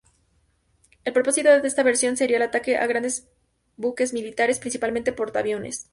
El propósito de esta versión sería el ataque a grandes buques militares, principalmente portaaviones.